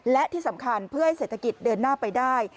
และที่สำคัญเพื่อให้เศรษฐกิจเดินหน้าไปได้